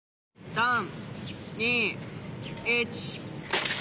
３２１。